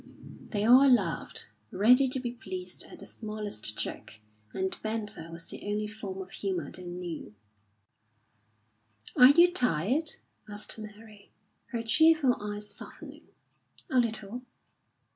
They all laughed, ready to be pleased at the smallest joke, and banter was the only form of humour they knew. "Are you tired?" asked Mary, her cheerful eyes softening. "A little."